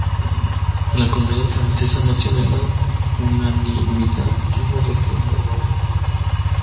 La Comunidad Francesa no tiene la unanimidad en la Región Valona.